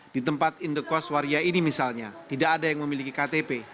di tempat indekos waria ini misalnya tidak ada yang memiliki ktp